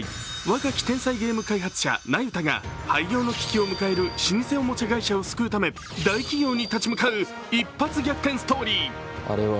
若き天才ゲーム開発者・那由他が廃業の危機を迎える老舗おもちゃ会社を救うため大企業に立ち向かう一発逆転ストーリー。